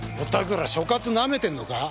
ら所轄なめてんのか？